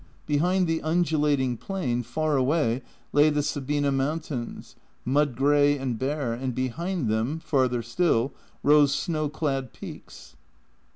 Behind the undulating plain, far away, lay the Sabine mountains, mud grey and bare, and behind them, farther still, rose snowclad peaks.